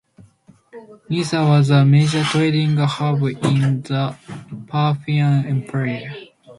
Nisa was a major trading hub in the Parthian Empire.